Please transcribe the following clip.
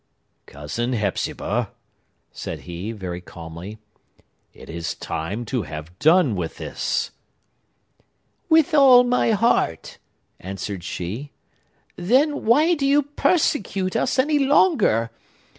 "Cousin Hepzibah," said he very calmly, "it is time to have done with this." "With all my heart!" answered she. "Then, why do you persecute us any longer?